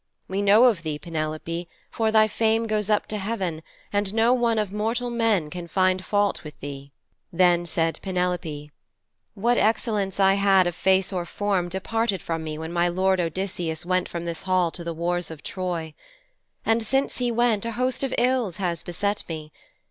We know of thee, Penelope, for thy fame goes up to heaven, and no one of mortal men can find fault with thee.' Then said Penelope, 'What excellence I had of face or form departed from me when my lord Odysseus went from this hall to the wars of Troy. And since he went a host of ills has beset me.